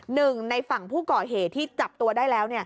หนึ่งในฝั่งผู้ก่อเหตุที่จับตัวได้แล้ว